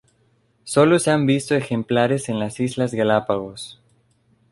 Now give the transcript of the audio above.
Solo se han visto ejemplares en las islas Galápagos.